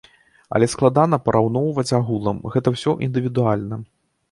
Але складана параўноўваць агулам, гэта ўсё індывідуальна.